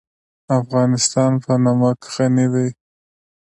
افغانستان په نمک غني دی.